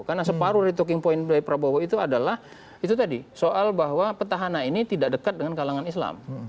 karena separuh dari talking point dari prabowo itu adalah itu tadi soal bahwa petahana ini tidak dekat dengan kalangan islam